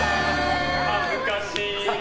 恥ずかしい。